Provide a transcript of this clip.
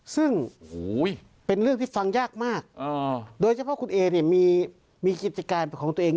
ซึ่งเป็นเรื่องที่ฟังยากมากโดยเฉพาะคุณเอเนี่ยมีกิจการของตัวเอง